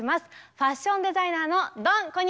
ファッションデザイナーのドン小西さんです！